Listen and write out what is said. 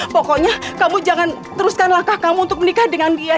pokoknya kamu jangan teruskanlah kak kamu untuk menikah dengan dia